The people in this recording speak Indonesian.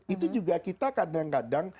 itu juga kita kadang kadang